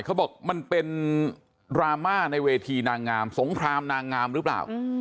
เขาบอกมันเป็นดราม่าในเวทีนางงามสงครามนางงามหรือเปล่า